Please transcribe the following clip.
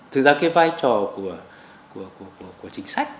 thực ra cái vai trò của chính sách